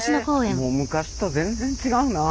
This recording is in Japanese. もう昔と全然違うなあ。